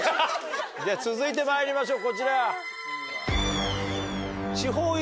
続いてまいりましょうこちら。